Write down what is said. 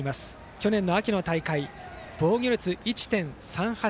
去年秋の大会、防御率１．３８。